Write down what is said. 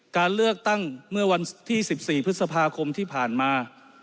การเลือกตั้งเมื่อวันที่๑๔พฤษภาคมที่ผ่านมา